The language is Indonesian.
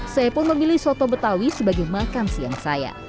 saya pun memilih soto betawi sebagai makan siang saya